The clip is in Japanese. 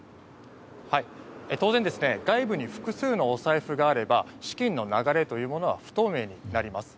当然外部に複数のお財布があれば資金の流れというものは不透明になります。